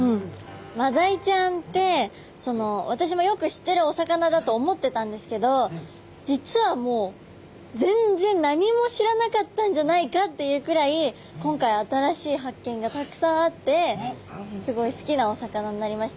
マダイちゃんって私もよく知ってるお魚だと思ってたんですけど実はもう全然何も知らなかったんじゃないかっていうくらい今回新しい発見がたくさんあってすごい好きなお魚になりました。